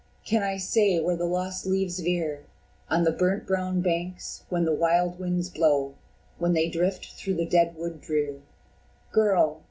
Can I say where the lost leaves veer On the brown burnt banks, when the wild winds blow, When they drift through the dead wood drear? Girl!